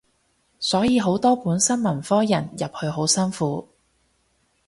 所以好多本身文科人入去好辛苦